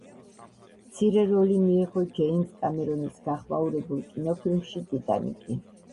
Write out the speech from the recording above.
მცირე როლი მიიღო ჯეიმზ კამერონის გახმაურებულ კინოფილმში „ტიტანიკი“.